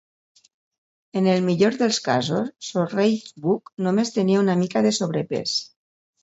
En el millor dels casos, Sorrell Booke només tenia una mica de sobrepès.